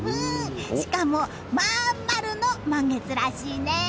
しかも真ん丸の満月らしいね！